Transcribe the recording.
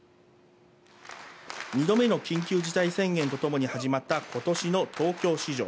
２度目の緊急事態宣言とともに始まった今年の東京市場。